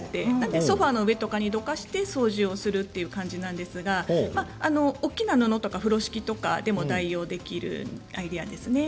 ソファーの上などにどかして掃除をする感じなんですが大きな布や風呂敷でも代用できるアイデアですね。